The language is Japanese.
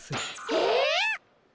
えっ！？